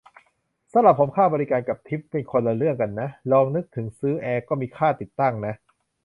สำหรับผม ค่าบริการ กับ ทิป เป็นคนละเรื่องกันนะ ลองนึกถึงซื้อแอร์ ก็มีค่าติดตั้งนะ